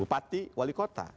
bupati wali kota